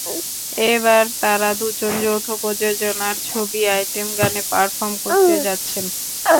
এবার তাঁরা দুজন যৌথ প্রযোজনার ছবির আইটেম গানে পারফর্ম করতে যাচ্ছেন।